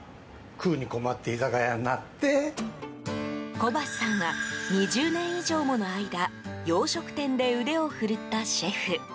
小橋さんは、２０年以上もの間洋食店で腕を振るったシェフ。